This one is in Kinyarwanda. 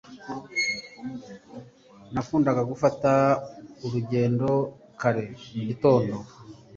Nakundaga gufata urugendo kare mu gitondo.